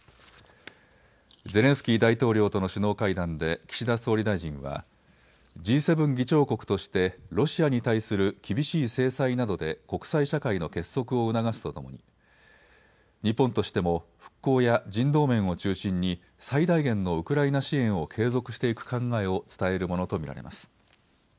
ゼレンスキー大統領との首脳会談で岸田総理大臣はＧ７議長国としてロシアに対する厳しい制裁などで国際社会の結束を促すとともに日本としても復興や人道面を中心に最大限のウクライナ支援を継続していく考えを伝えるものと見られます。